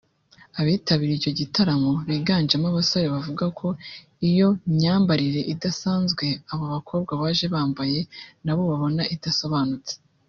Abitabiriye icyo gitaramo biganjemo abasore bavuga ko iyo myambarire idasanzwe abo bakobwa baje bambaye nabo babona idasobanutse